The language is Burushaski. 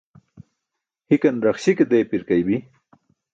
Hikan raxśi ke deepi̇rkaybi̇.